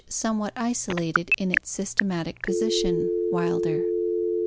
f what isolated in its systematic position (Wilder).